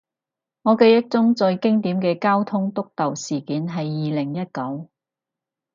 我記憶中最經典嘅交通督導事件係二零一九